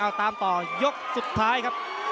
เอาตามต่อยกสุดท้ายครับ